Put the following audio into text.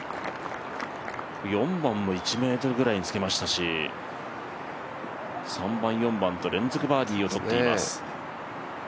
４番も１ｍぐらいにつけましたし３番、４番と連続バーディーを取っています。